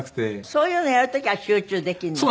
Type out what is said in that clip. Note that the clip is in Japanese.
そういうのやる時は集中できるの？